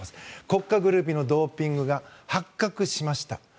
国家ぐるみのドーピングが発覚しました。